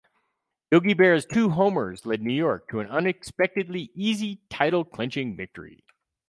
Yogi Berra's two homers led New York to an unexpectedly easy title-clinching victory.